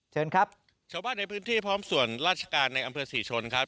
เชิญครับชาวบ้านในพื้นที่พร้อมส่วนราชการในอำเภอศรีชนครับ